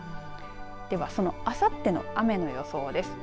では、そのあさっての雨の予想です。